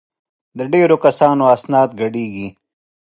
د ډېرو کسانو اسناد ګډېږي.